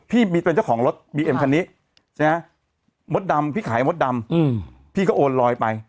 พี่มีเป็นเจ้าของรถบีเอ็มคันนี้ใช่ไหมมดดำพี่ขายมดดำพี่ก็โอนลอยไป